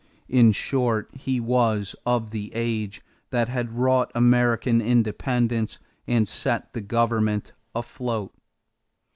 In short, he was of the age that had wrought American independence and set the government afloat.